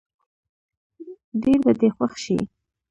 ډېر به دې خوښ شي.